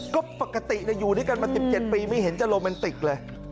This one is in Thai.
ก็ปกติอยู่ด้วยกันมา๑๗ปีไม่เห็นจะโรแมนติกเลย